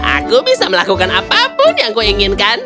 aku bisa melakukan apapun yang kau inginkan